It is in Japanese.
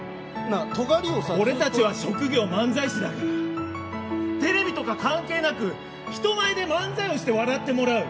俺たちは職業、漫才師だから、テレビとか関係なく人前で漫才をして笑ってもらう。